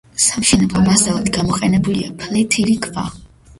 სამშენებლო მასალად გამოყენებულია ფლეთილი ქვა.